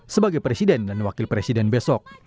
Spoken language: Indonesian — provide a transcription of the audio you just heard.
sebagai presiden dan wakil presiden besok